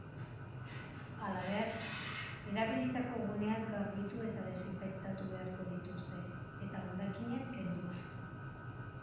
Halaber, erabilitako guneak garbitu eta desinfektatu beharko dituzte, eta hondakinak kendu.